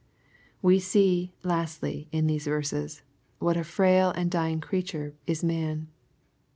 We see, lastly, in these verses, what a frail and dying creature is man.